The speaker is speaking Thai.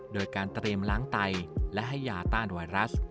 โดยการเตรียมล้างไตและให้ยาต้านไวรัส